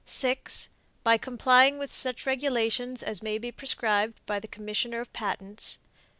6. By complying with such regulations as may be prescribed by the Commissioner of Patents.